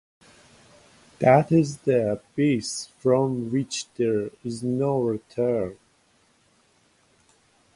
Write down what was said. That is the abyss from which there is no return.